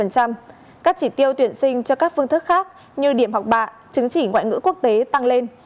các chỉ tiêu tuyển sinh cho các phương thức khác như điểm học bạ chứng chỉ ngoại ngữ quốc tế tăng lên